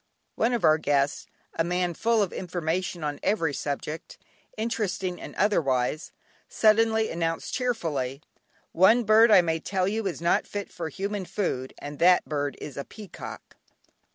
One of our guests, a man full of information on every subject, interesting and otherwise, suddenly announced cheerfully: "One bird I may tell you is not fit for human food, and that bird is a peacock."